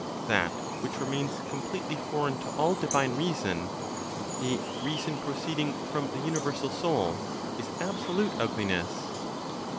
That which remains completely foreign to all divine reason (a reason proceeding from the universal Soul), is absolute ugliness.